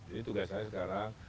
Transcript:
jadi tugas saya sekarang